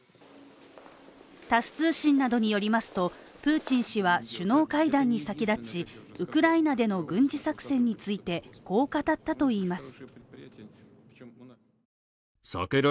タス通信などによりますとプーチン氏は首脳会談に先立ちウクライナでの軍事作戦についてこう語ったといいます。